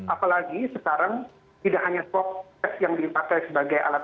apalagi sekarang tidak hanya swab test yang dipakai sebagai alat